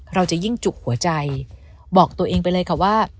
เราจะยิ่งจุกหัวใจบอกตัวเองไปเลยค่ะว่า